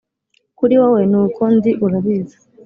kuri wowe ni uko, ndi, urabizi,